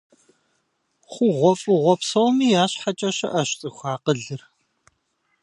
ХъугъуэфӀыгъуэ псоми я щхьэкӀэ щыӀэщ цӀыху акъылыр.